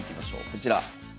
こちら。